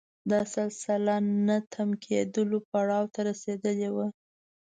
دا سلسله د نه تم کېدلو پړاو ته رسېدلې وه.